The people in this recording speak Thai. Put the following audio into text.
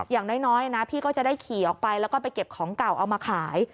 อย่างน้อยนะพี่ก็จะได้ขี่ออกไปแล้วก็ไปเก็บของเก่าเอามาขาย